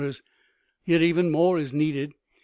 Yet even more is needed.